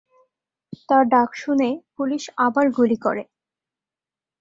তার ডাক শুনে পুলিশ আবার গুলি করে।